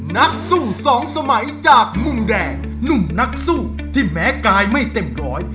นักสู้สองสมัยจากมุมแดงหนุ่มนักสู้ที่แม้กายไม่เต็มร้อย